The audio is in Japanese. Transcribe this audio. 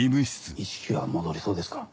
意識は戻りそうですか？